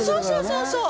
そうそう。